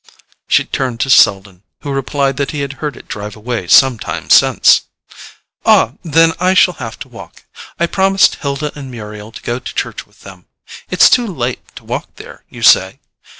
She turned to Selden, who replied that he had heard it drive away some time since. "Ah, then I shall have to walk; I promised Hilda and Muriel to go to church with them. It's too late to walk there, you say?